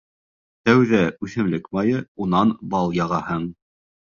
Тәүҙә үҫемлек майы, унан бал яғаһың.